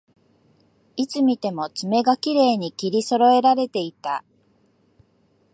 いつ見ても爪がきれいに切りそろえられていた